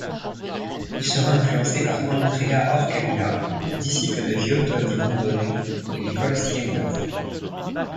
Il sera influencé par Andrea Orcagna, disciple de Giotto di Bondone et l'école siennoise.